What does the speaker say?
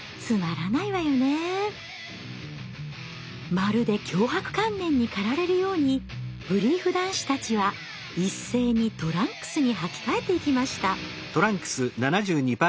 まるで強迫観念にかられるようにブリーフ男子たちは一斉にトランクスにはき替えていきました。